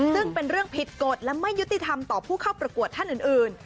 ซึ่งเป็นเรื่องผิดกฎและไม่ยุติธรรมต่อผู้เข้าประกวดท่านอื่น